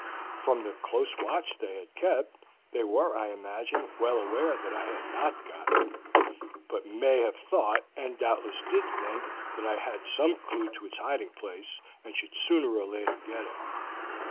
From the close watch they had kept, they were, I imagine, well aware that I had not got it, but may have thought, and doubtless did think, that I had some clew to its hiding place, and should sooner or later get it.